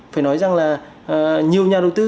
phải nói rằng là nhiều nhà đầu tư